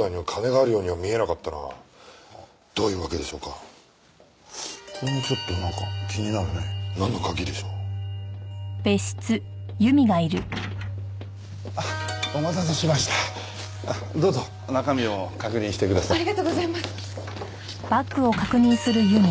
ありがとうございます。